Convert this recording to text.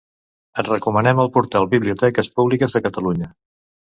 Et recomanem el portal Biblioteques Públiques de Catalunya.